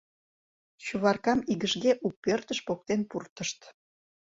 Чуваркам игыжге у «пӧртыш» поктен пуртышт.